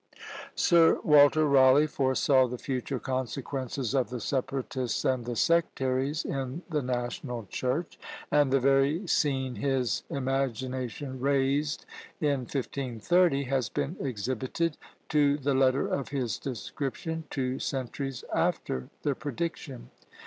Sir Walter Rawleigh foresaw the future consequences of the separatists and the sectaries in the national church, and the very scene his imagination raised in 1530 has been exhibited, to the letter of his description, two centuries after the prediction!